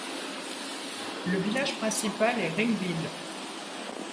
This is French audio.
Le village principal est Ringville.